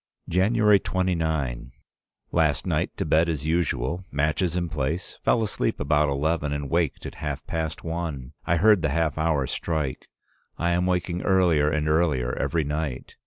"January 29. Last night to bed as usual, matches in place; fell asleep about eleven and waked at half past one. I heard the half hour strike; I am waking earlier and earlier every night.